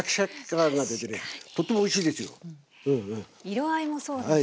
色合いもそうですしね。